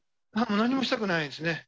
何もしたくないですね。